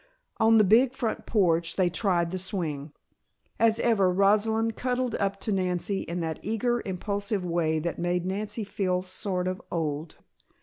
On the big front porch, they tried the swing. As ever Rosalind cuddled up to Nancy in that eager, impulsive way that made Nancy feel sort of old.